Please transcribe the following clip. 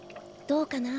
どうかな。